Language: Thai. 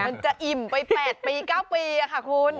มันจะอิ่มไป๘ปี๙ปีค่ะคุณ